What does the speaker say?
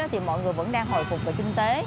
thì mọi người vẫn đang hồi phục về kinh tế